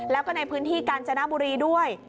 แล้วก็ในพื้นที่กาญจนบุรีด้วย